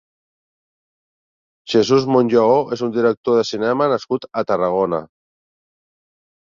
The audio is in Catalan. Jesús Monllaó és un director de cinema nascut a Tarragona.